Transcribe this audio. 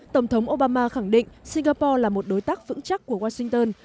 tổng thống obama khẳng định singapore là một đối tác vững chắc của washington